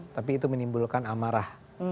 tapi itu menimbulkan amarah